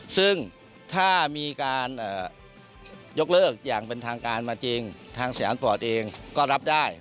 ซึ่งถ้ามีการยกเลิกอย่างเป็นทางการมาจริงทางสยามฟอร์ตเองก็รับได้